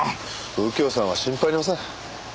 右京さんは心配ありません。